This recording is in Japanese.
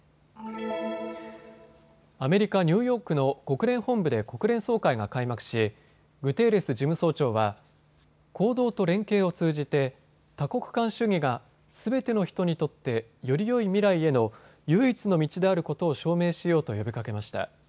アメリカ・ニューヨークの国連本部で国連総会が開幕しグテーレス事務総長は行動と連携を通じて多国間主義がすべての人にとってよりよい未来への唯一の道であることを証明しようと呼びかけました。